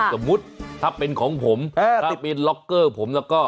สมมุติถ้าเป็นของผมถ้าเป็นล็อกเกอร์ผมแล้วก็